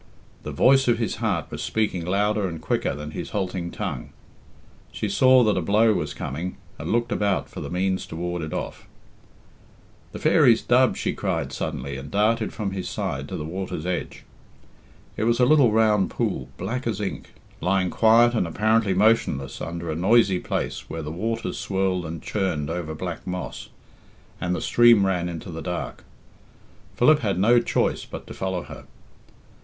The voice of his heart was speaking louder and quicker than his halting tongue. She saw that a blow was coming, and looked about for the means to ward it off. "The fairy's dubb!" she cried suddenly, and darted from his side to the water's edge. It was a little round pool, black as ink, lying quiet and apparently motionless under a noisy place where the waters swirled and churned over black moss, and the stream ran into the dark. Philip had no choice but to follow her.